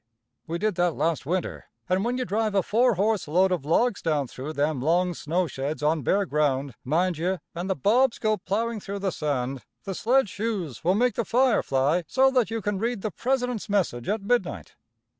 We did that last winter, and when you drive a four horse load of logs down through them long snow sheds on bare ground, mind ye, and the bobs go plowing through the sand, the sled shoes will make the fire fly so that you can read the President's message at midnight."